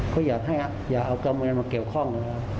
ก็อยากให้อยากเอากำเนินมาเกี่ยวข้อง